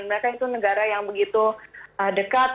mereka itu negara yang begitu dekat